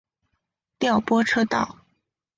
调拨车道。